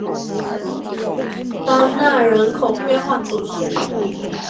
邦讷人口变化图示